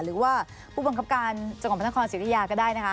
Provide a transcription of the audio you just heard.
หรือว่าผู้บังคับการจังหวัดพระนครศิริยาก็ได้นะคะ